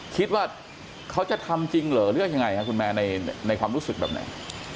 คิดว่าเขาจะทำจริงเหรอหรือยังไงครับคุณแม่ในความรู้สึกแบบไหน